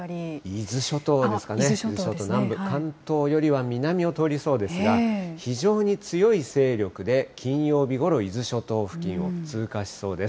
伊豆諸島南部、関東よりは南を通りそうですが、非常強い勢力で金曜日ごろ伊豆諸島付近を通過しそうです。